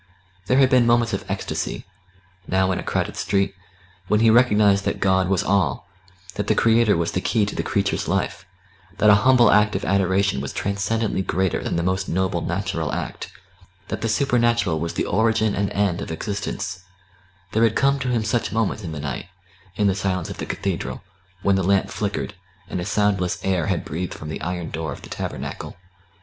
There had been moments of ecstasy now in a crowded street, when he recognised that God was all, that the Creator was the key to the creature's life, that a humble act of adoration was transcendently greater than the most noble natural act, that the Supernatural was the origin and end of existence there had come to him such moments in the night, in the silence of the Cathedral, when the lamp flickered, and a soundless air had breathed from the iron door of the tabernacle.